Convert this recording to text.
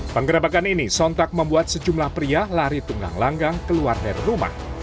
penggerabakan ini sontak membuat sejumlah pria lari tunggang langgang keluar dari rumah